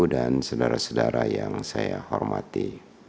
dan sedara sedara yang saya hormati